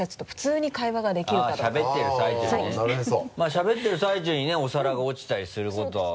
しゃべってる最中にねお皿が落ちたりすることは。